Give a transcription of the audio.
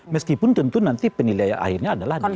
meskipun tentu nanti penilai akhirnya adalah di mega